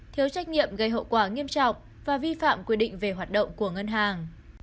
thiếu trách nhiệm gây hậu quả nghiêm trọng và vi phạm quy định về hoạt động của ngân hàng